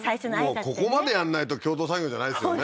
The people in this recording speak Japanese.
もうここまでやんないと共同作業じゃないですよね